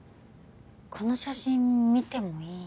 この写真見てもいい？